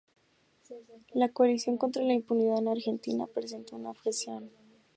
La Coalición contra la Impunidad en Argentina presentó una objeción.